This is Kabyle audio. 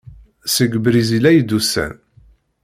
Seg Brizil ay d-usan.